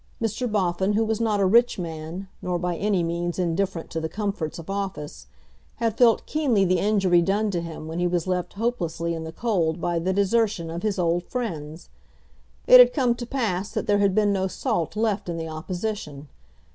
Mr. Boffin, who was not a rich man, nor by any means indifferent to the comforts of office, had felt keenly the injury done to him when he was left hopelessly in the cold by the desertion of his old friends. It had come to pass that there had been no salt left in the opposition.